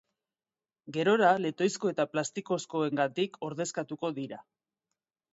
Gerora letoizko eta plastikozkoengatik ordezkatu dira.